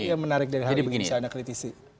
apa yang menarik dari hal ini